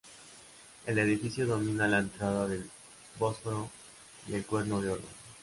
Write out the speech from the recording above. El edificio domina la entrada del Bósforo y el Cuerno de Oro.